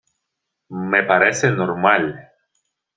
me parece normal.